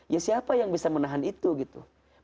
ya siapa yang bisa menahan itu gitu